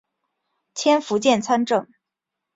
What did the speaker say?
迁福建参政。